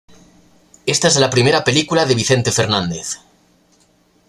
Esta es la primera película de Vicente Fernández.